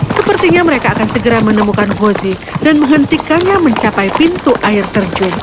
sepertinya mereka akan segera menemukan gozi dan menghentikannya mencapai pintu air terjun